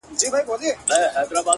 ښاا ځې نو،